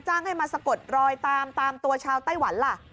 จ้างให้มาสะกดรอยตามตัวชาวเต้าหวันล่ะ